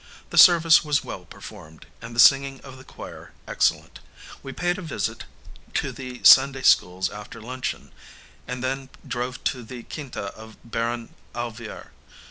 The service was well performed, and the singing of the choir excellent. We paid a visit to the Sunday schools after luncheon, and then drove to the quinta of Baron Alvear.